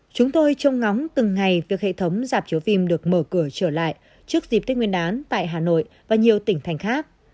chúng tôi trông ngóng từng ngày việc hệ thống dạp chiếu phim được mở cửa trở lại trước dịp tết nguyên đán tại hà nội và nhiều tỉnh thành khác